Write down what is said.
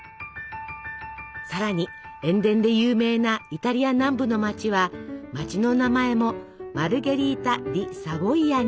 さらに塩田で有名なイタリア南部の町は町の名前もマルゲリータ・ディ・サヴォイアに！